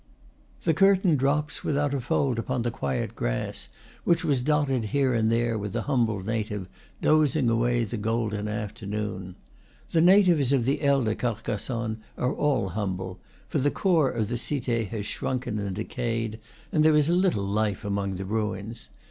The curtain drops without a fold upon the quiet grass, which was dotted here and there with a humble native, dozing away the golden afternoon. The natives of the elder Carcassonne are all humble; for the core of the Cite has shrunken and decayed, and there is little life among the ruins.